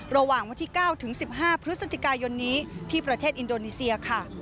ระหว่างวันที่๙ถึง๑๕พฤศจิกายนนี้ที่ประเทศอินโดนีเซียค่ะ